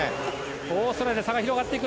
オーストラリアとの差が広がっていく。